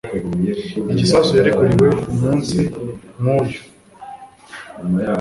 igisasu yarekuriweho umunsi nk'uyu